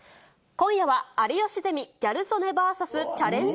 今夜は、有吉ゼミギャル曽根ＶＳチャレンジ